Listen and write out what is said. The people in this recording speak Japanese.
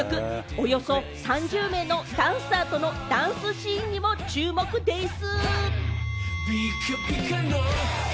およそ３０名のダンサーとのダンスシーンにも注目でぃす！